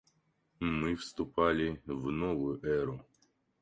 Мы вступали в новую эру.